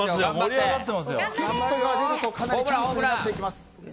ヒットが出るとかなりチャンスになっていきます。